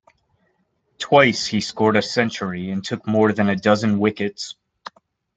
Twice he scored a century and took more than a dozen wickets.